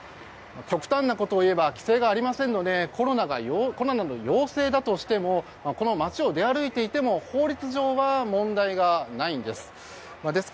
極端なことを言えば規制がありませんのでコロナの陽性だとしても街を出歩いていても、法律上は問題がないんです。